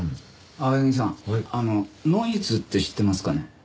青柳さんノイズって知ってますかね？